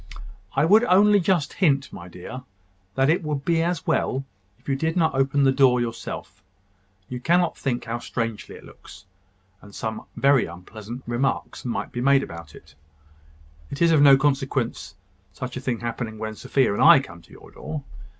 "I would only just hint, my dear, that it would be as well if you did not open the door yourself. You cannot think how strangely it looks: and some very unpleasant remarks might be made upon it. It is of no consequence such a thing happening when Sophia and I come to your door.